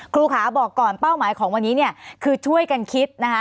ครูขาบอกก่อนเป้าหมายของวันนี้เนี่ยคือช่วยกันคิดนะคะ